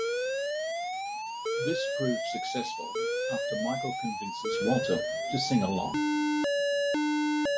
This proves successful after Micheal convinces Walter to sing along.